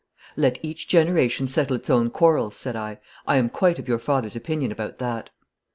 'Let each generation settle its own quarrels,' said I. 'I am quite of your father's opinion about that.'